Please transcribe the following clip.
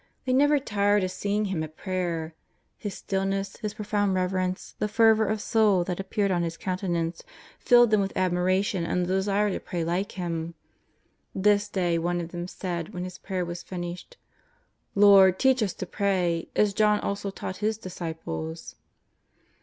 They never tired of seeing Him at prayer. His stillness, His pro foimd reverence, the fervour of soul that appeared on His countenance filled them with admiration and the desire to pray like Him. This day one of them said when His prayer was finished :^^ Lord, teach us to pray, as John also taught his disciples."